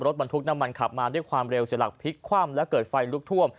รถบรรทุกน้ำมันขับมาด้วยความเร็วเสียหลักพลิกคว่ำและเกิดไฟลุกท่วม